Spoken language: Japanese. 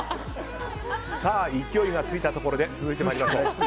さあ、勢いがついたところで続いて参りましょう。